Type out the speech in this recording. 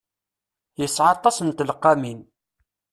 Yesɛa aṭas n tleqqamin.